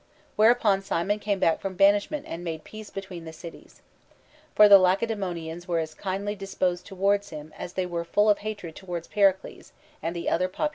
Whereupon Cimon came back from banishment and made peace ὃ between the cities. For the Lacedemonians were as kindly disposed towards him as they were full of hatred towards Pericles and the other popular leaders.